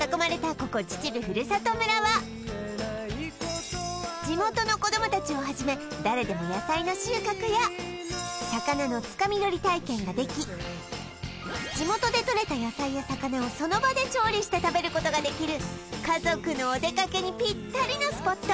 ここ秩父ふるさと村は地元の子供達をはじめ誰でも野菜の収穫や体験ができ地元でとれた野菜や魚をその場で調理して食べることができる家族のお出かけにぴったりのスポット